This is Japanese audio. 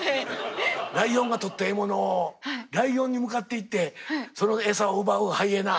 ライオンが取った獲物をライオンに向かっていってその餌を奪うハイエナ。